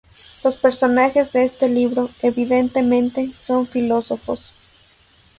Los personajes de este libro, evidentemente, son filósofos.